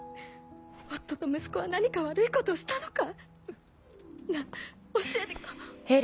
夫と息子は何か悪いことをしたのか？なぁ教え。